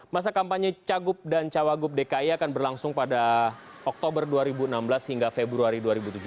masa kampanye cagup dan cawagup dki akan berlangsung pada oktober dua ribu enam belas hingga februari dua ribu tujuh belas